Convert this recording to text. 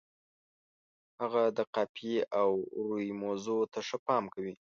هغه د قافیې او روي موضوع ته ښه پام کړی.